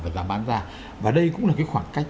và giá bán ra và đây cũng là cái khoảng cách